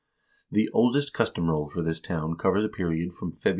"The oldest Custom Roll for this town covers a period from Feb.